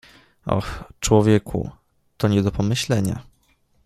"Oh, człowieku, to nie do pomyślenia."